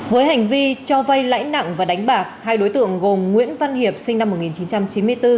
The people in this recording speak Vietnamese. với hành vi cho vay lãi nặng và đánh bạc hai đối tượng gồm nguyễn văn hiệp sinh năm một nghìn chín trăm chín mươi bốn